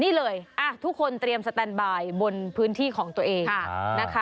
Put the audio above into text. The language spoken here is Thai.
นี่เลยทุกคนเตรียมสแตนบายบนพื้นที่ของตัวเองนะคะ